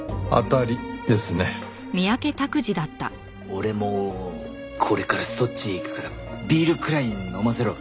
俺もこれからそっちへ行くからビールくらい飲ませろ。